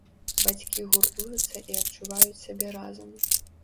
Бацькі гуртуюцца і адчуваюць сябе разам.